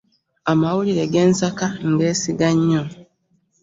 Amawulire ge nsaka ngeesiga nnyo.